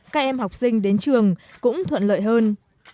các em học sinh đến trường cũng thuận lợi hơn